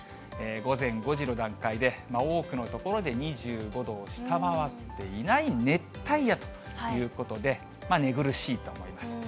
午前５時の段階で、多くの所で２５度を下回っていない熱帯夜ということで、寝苦しいと思います。